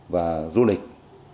và du lịch